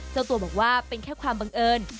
เจ้าตัวบอกว่าเป็นแค่ความบังเอิญ